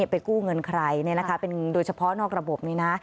ไปกู้เงินใครโดยเฉพาะนอกระบบนี้นะ